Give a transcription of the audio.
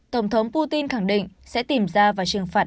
tổng thống putin khẳng định sẽ tìm ra và trừng phạt